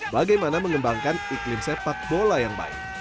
bagaimana mengembangkan iklim sepak bola yang baik